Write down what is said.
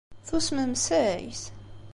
Tusmem seg-s?